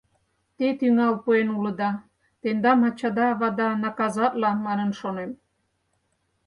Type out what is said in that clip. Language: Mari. Те тӱҥал пуэн улыда, тендам ачада-авада наказатла, манын ӱшанем.